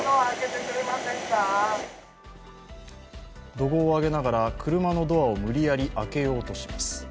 怒号をあげながら車のドアを無理やり開けようとします。